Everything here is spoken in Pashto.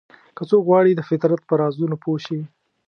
که څوک غواړي د فطرت په رازونو پوه شي.